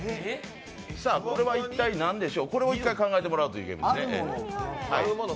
さあ、これは一体何でしょう、これを１回、考えてもらうゲームです。